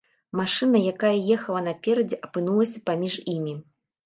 Машына, якая ехала наперадзе, апынулася паміж імі.